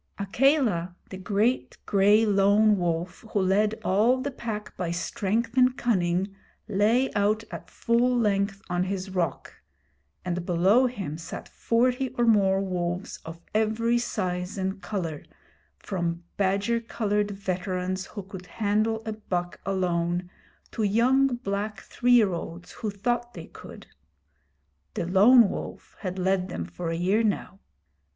Akela, the great gray Lone Wolf, who led all the Pack by strength and cunning, lay out at full length on his rock, and below him sat forty or more wolves of every size and colour, from badger coloured veterans who could handle a buck alone, to young black three year olds who thought they could. The Lone Wolf had led them for a year now.